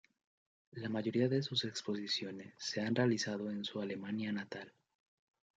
La mayoría de sus exposiciones se han realizado en su Alemania natal.